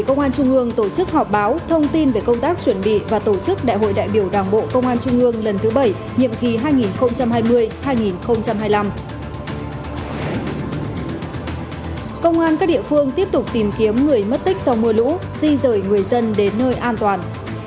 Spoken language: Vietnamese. công an các địa phương tiếp tục tìm kiếm người mất tích sau mưa lũ di rời người dân đến nơi an toàn